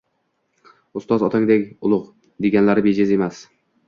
Ustoz otangdan ulug’, deganlari bejiz emas.